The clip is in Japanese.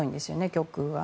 極右は。